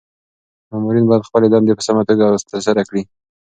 مامورین باید خپلي دندي په سمه توګه ترسره کړي.